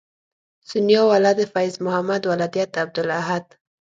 سونیا ولد فیض محمد ولدیت عبدالاحد